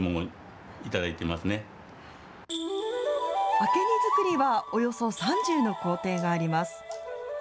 明け荷作りはおよそ３０の工程があります。